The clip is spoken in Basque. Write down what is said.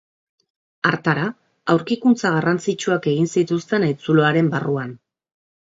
Hartara, aurkikuntza garrantzitsuak egin zituzten haitzuloaren barruan.